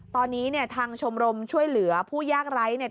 ตอนนี้เนี่ยทางชมรมช่วยเหลือผู้ยากไร้เนี่ย